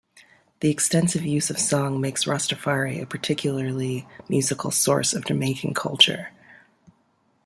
The extensive use of song makes Rastafari a particularly musical source of Jamaican culture.